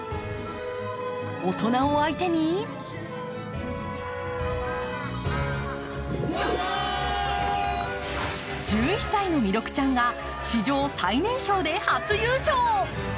大人を相手に１１歳の弥勒ちゃんが史上最年少で初優勝。